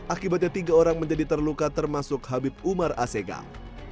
akibatnya tiga orang menjadi terluka termasuk habib umar asegaf